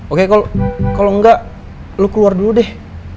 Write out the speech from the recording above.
oke kalau enggak lu keluar dulu deh